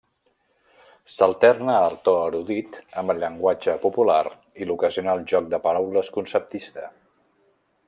S'alterna el to erudit amb el llenguatge popular i l'ocasional joc de paraules conceptista.